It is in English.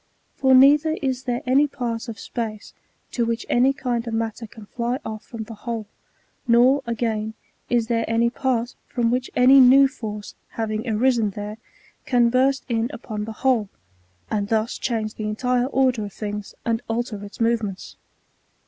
For neither is there any part of space to which any kind of matter can fly off" from the whole, nor, again, is there any part from which any new force, hav ing arisen therCy can burst in upon the whole, and thus change the entire order of things and alter its movements.